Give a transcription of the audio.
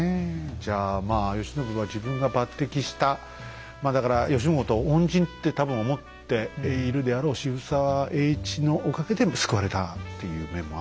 じゃあまあ慶喜は自分が抜てきしたまあだから慶喜のことを恩人って多分思っているであろう渋沢栄一のおかげで救われたっていう面もあるんだね。